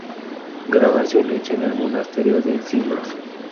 Grabación hecha en el Monasterio de Silos.